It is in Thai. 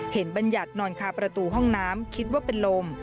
บัญญัตินอนคาประตูห้องน้ำคิดว่าเป็นลม